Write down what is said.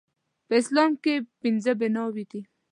په اسلام کې پنځه بناوې دي